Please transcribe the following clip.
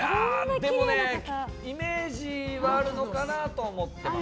でもイメージはあるのかなと思ってます。